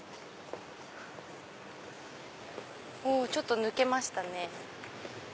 おちょっと抜けましたね。